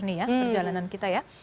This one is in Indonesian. ini ya perjalanan kita ya